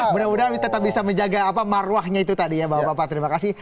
benar benar tetap bisa menjaga apa marwahnya itu tadi ya bapak pak terima kasih